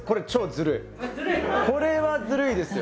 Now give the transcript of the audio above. これはずるいですよ！